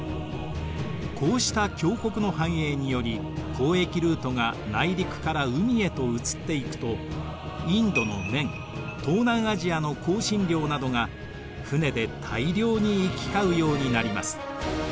こうした強国の繁栄により交易ルートが内陸から海へと移っていくとインドの綿東南アジアの香辛料などが船で大量に行き交うようになります。